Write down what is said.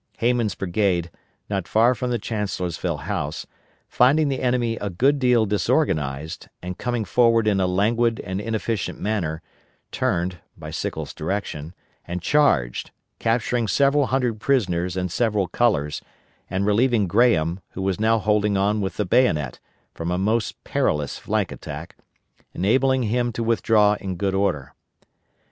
Hayman's brigade, not far from the Chancellorsville House, finding the enemy a good deal disorganized, and coming forward in a languid and inefficient manner, turned by Sickles' direction and charged, capturing several hundred prisoners and several colors, and relieving Graham, who was now holding on with the bayonet, from a most perilous flank attack, enabling him to withdraw in good order.